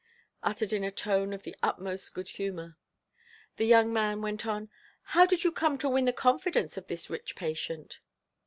uttered in a tone of the utmost good humor. The young man went on: "How did you come to win the confidence of this rich patient?"